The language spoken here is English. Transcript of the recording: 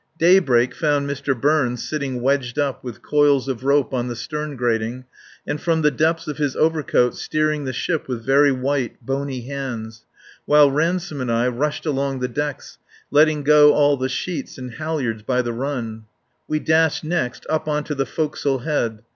Daybreak found Mr. Burns sitting wedged up with coils of rope on the stern grating, and from the depths of his overcoat steering the ship with very white bony hands; while Ransome and I rushed along the decks letting go all the sheets and halliards by the run. We dashed next up on to the forecastle head.